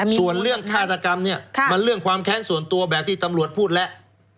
ส่วนเรื่องฆาตกรรมเนี่ยมันเรื่องความแค้นส่วนตัวแบบที่ตำรวจพูดแล้ว